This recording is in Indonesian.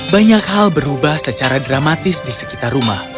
banyak hal berubah secara dramatis di sekitar rumah